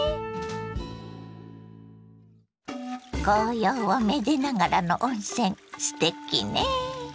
紅葉をめでながらの温泉すてきね。